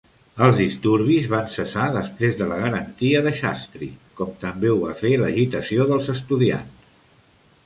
Els disturbis van cessar després de la garantia de Shastri, com també ho va fer l'agitació dels estudiants.